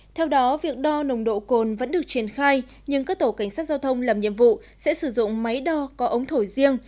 theo đó việc đo nồng độ cồn vẫn được triển khai nhưng các tổ cảnh sát giao thông làm nhiệm vụ sẽ sử dụng máy đo có ống thổi riêng